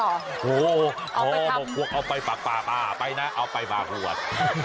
โอ้โหเอาไปปากป่าป่าไปนะเอาไปปากฮวก